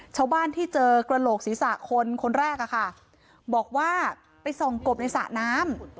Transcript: ชาวบ้านที่เจอกระโหลกศีรษะคนคนแรกอะค่ะบอกว่าไปส่องกบในสระน้ำ